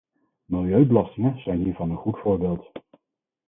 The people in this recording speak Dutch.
Milieubelastingen zijn hiervan een goed voorbeeld.